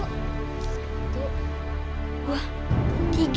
satu dua tiga